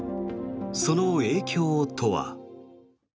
その影響とは。